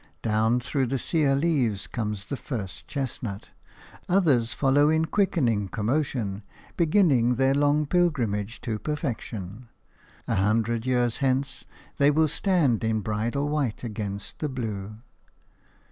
Down through the sere leaves comes the first chestnut; others follow in quickening commotion, beginning their long pilgrimage to perfection; a hundred years hence they will stand in bridal white against the blue.